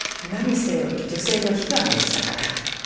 何せ女性の悲願でしたから。